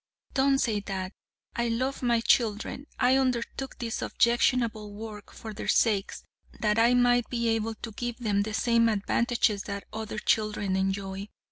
Don't say that! I love my children. I undertook this objectionable work for their sakes, that I might be able to give them the same advantages that other children enjoy.